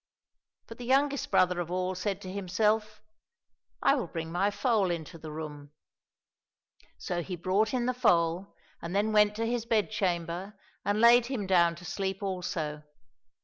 But the youngest brother of all said to himself, " I will bring my foal into the room." So he brought in the foal, and then went to his bed chamber and laid him down to sleep also.